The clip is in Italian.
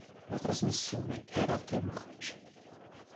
La trasmissione era a tre marce.